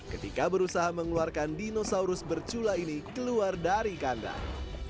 ketika berusaha mengeluarkan dinosaurus bercula ini keluar dari kandang